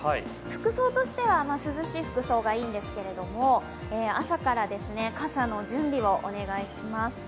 服装としては涼しい服装がいいんですけど、朝から傘の準備をお願いします。